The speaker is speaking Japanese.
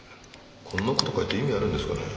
こんな事書いて意味あるんですかね？